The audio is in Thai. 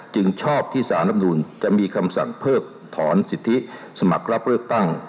จึงชอบที่สารรับนูลจะมีคำสั่งเพิกถอนสิทธิสมัครรับเลือกตั้ง